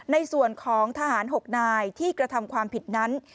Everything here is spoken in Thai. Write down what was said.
ในส่วนของทหาร๖นายที่กระทำความผิดนั้น